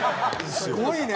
すごいね。